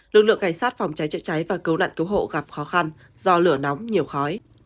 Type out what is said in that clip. lực lượng cảnh sát phòng cháy chữa cháy và cứu nạn cứu hộ gặp khó khăn do lửa nóng nhiều khói